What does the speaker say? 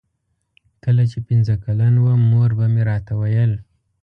کله چې پنځه کلن وم مور به مې راته ویل.